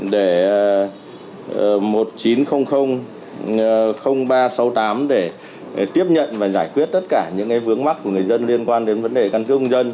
để một nghìn chín trăm linh ba trăm sáu mươi tám để tiếp nhận và giải quyết tất cả những vướng mắt của người dân liên quan đến vấn đề căn cước công dân